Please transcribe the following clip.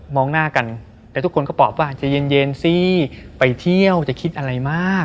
มองหน้ากันแล้วทุกคนก็บอกว่าใจเย็นเย็นซิไปเที่ยวจะคิดอะไรมาก